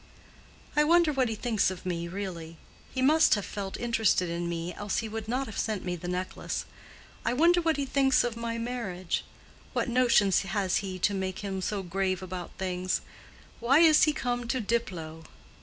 "I wonder what he thinks of me, really? He must have felt interested in me, else he would not have sent me my necklace. I wonder what he thinks of my marriage? What notions has he to make him so grave about things? Why is he come to Diplow?"